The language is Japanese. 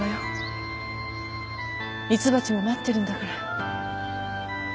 ミツバチも待ってるんだから。